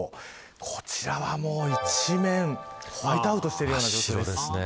こちらは一面ホワイトアウトしているような状態です。